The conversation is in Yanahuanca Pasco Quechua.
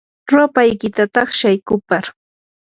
rupaykita taqshay kupar.